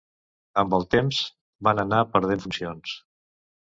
Amb el temps van anar perdent funcions.